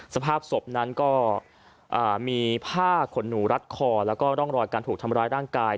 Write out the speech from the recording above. สภาพศพนั้นก็มีผ้าขนหนูรัดคอแล้วก็ร่องรอยการถูกทำร้ายร่างกาย